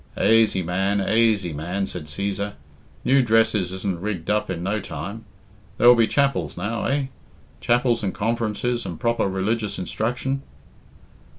"Aisy, man, aisy, man," said Cæsar. "New dresses isn't rigged up in no time. There'll be chapels now, eh? Chapels and conferences, and proper religious instruction?"